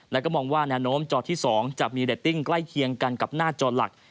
และก็มองว่าแนวโน้มจอที่๒จะมีเรตติ้งใกล้เคียงกันกับหน้าจอหลัก